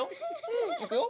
うん。いくよ。